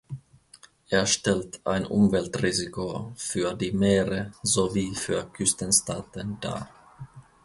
Er stellt ein Umweltrisiko für die Meere sowie für Küstenstaaten dar.